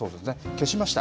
消しました。